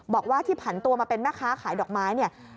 บอกว่าที่ผันตัวมาเป็นแม่ค้าขายดอกไม้เนี่ย